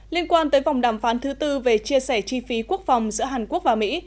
liên quan tới vòng đàm phán thứ tư về chia sẻ chi phí quốc phòng giữa hàn quốc và mỹ